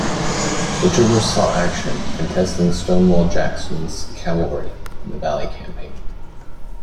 The troopers saw action contesting Stonewall Jackson's cavalry in the Valley Campaign.